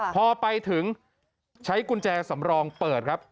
พอไปถึงใช้กุญแจสำรองเปิดครับ